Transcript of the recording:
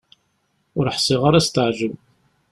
Ur ḥṣiɣ ara ad s-teɛǧeb.